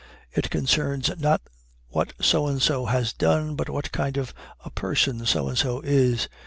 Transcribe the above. It concerns not what So and So has done, but what kind of a person So and So is.